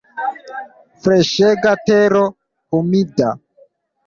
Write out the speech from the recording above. Freŝega tero humida.